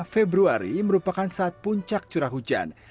februari merupakan saat puncak curah hujan